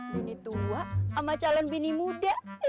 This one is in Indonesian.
bini tua sama calon bini muda